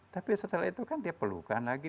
tapi setelah itu kan dia perlukan lagi